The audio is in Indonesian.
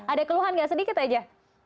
ada keluhan gak sedikit aja